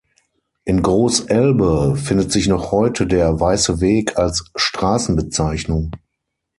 In Groß Elbe findet sich noch heute der „Weiße Weg“ als Straßenbezeichnung.